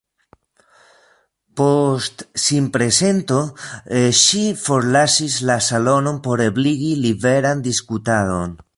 Post sinprezento, ŝi forlasis la salonon por ebligi liberan diskutadon.